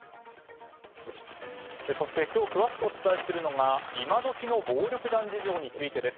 そして今日詳しくお伝えするのが今時の暴力団事情についてです。